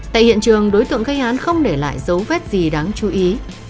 tại hiện trường đối tượng gây án không để lại dấu vết gì đáng chú ý